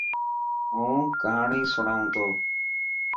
هون ڪهاڻي سڻوان تو.